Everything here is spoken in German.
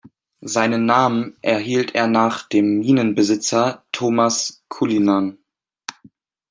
Seinen Namen erhielt er nach dem Minenbesitzer Thomas Cullinan.